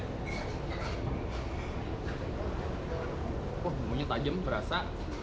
wah bunyinya tajam berasa